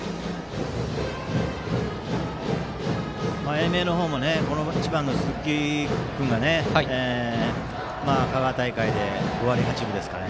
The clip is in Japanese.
英明の方も１番の鈴木君が香川大会で５割８分ですかね。